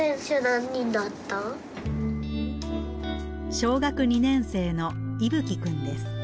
小学２年生のいぶきくんです。